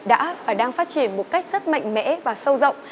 đã và đang phát triển một cách rất mạnh mẽ và sâu rộng